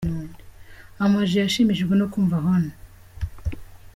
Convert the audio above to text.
Ama G yashimishijwe no kumva Hon.